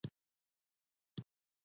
رقابتي او منظمې ټاکنې ترسره کوي.